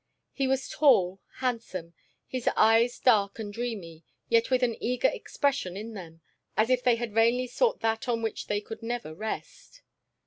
He was tall, handsome, his eyes dark and dreamy, yet with an eager expression in them, as if they had vainly sought that on which they could never rest.